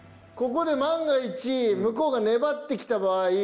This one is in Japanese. ここで万が一向こうが粘ってきた場合。